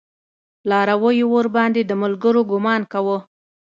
لارويو ورباندې د ملګرو ګمان کوه.